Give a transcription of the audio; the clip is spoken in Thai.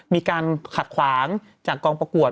มีการขัดขวางจากกองประกวด